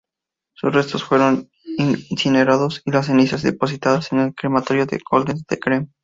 Sus restos fueron incinerados y las cenizas depositadas en el Crematorio de Golders Green.